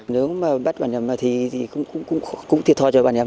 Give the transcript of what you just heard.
nếu mà bắt bạn em mà thi thì cũng thiệt thòi cho bạn em